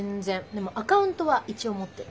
でもアカウントは一応持ってる。